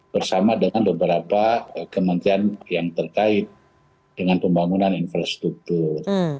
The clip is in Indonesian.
bersama dengan beberapa kementerian yang terkait dengan pembangunan infrastruktur